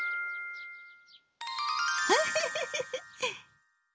フフフフ。